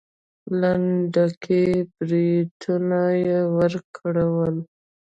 لنډکي برېتونه يې وګرول.